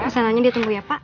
pesanannya di atas bu ya pa